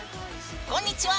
こんにちは！